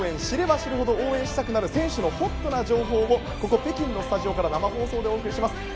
知れば知るほど応援したくなる選手のホットな情報をここ北京のスタジオから生放送でお伝えします。